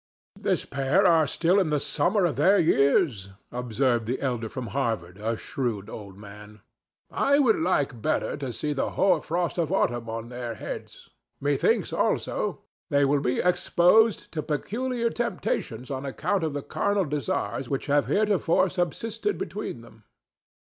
"This pair are still in the summer of their years," observed the elder from Harvard, a shrewd old man. "I would like better to see the hoar frost of autumn on their heads. Methinks, also, they will be exposed to peculiar temptations on account of the carnal desires which have heretofore subsisted between them."